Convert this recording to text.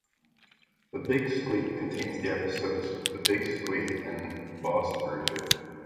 "The Big Squeak" contains the episodes "The Big Squeak" and "Boss Bruiser".